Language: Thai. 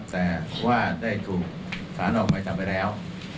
แต่ว่าได้ถูกสารออกหมายจับไปแล้ว